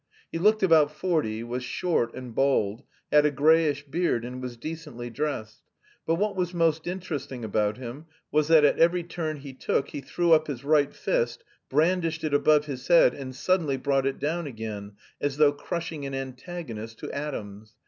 He looked about forty, was short and bald, had a greyish beard, and was decently dressed. But what was most interesting about him was that at every turn he took he threw up his right fist, brandished it above his head and suddenly brought it down again as though crushing an antagonist to atoms.